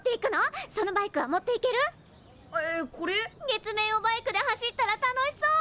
月面をバイクで走ったら楽しそう！